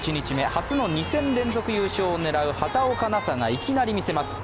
初の２戦連続優勝を狙う畑岡奈紗がいきなり見せます。